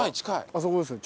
あそこですね